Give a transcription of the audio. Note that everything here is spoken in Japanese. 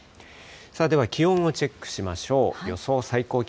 さあでは、気温をチェックしましょう。